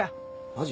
マジ？